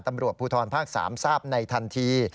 ตำรวจภูทรภาค๓ทราบในทันที